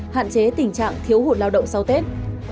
hạn chế tình trạng thiếu hụt lao động sau tết